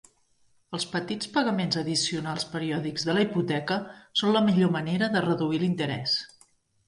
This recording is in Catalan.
Els petits pagaments addicionals periòdics de la hipoteca són la millor manera de reduir l'interès.